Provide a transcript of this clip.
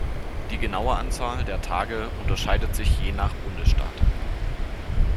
Die genaue Anzahl der Tage unterscheidet sich je nach Bundesstaat.